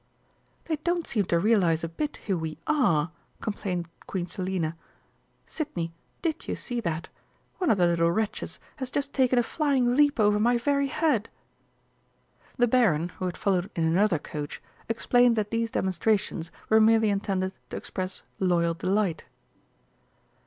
"They don't seem to realise a bit who we are!" complained Queen Selina. "Sidney, did you see that? One of the little wretches has just taken a flying leap over my very head!" The Baron, who had followed in another coach, explained that these demonstrations were merely intended to express loyal delight.